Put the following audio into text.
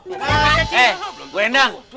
eh belum bu hendang